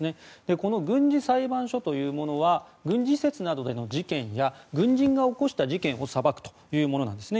この軍事裁判所というものは軍事施設などでの事件や軍人が起こした事件を裁くというものなんですね。